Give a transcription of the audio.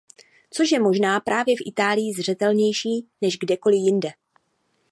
Což je možná právě v Itálii zřetelnější než kdekoli jinde.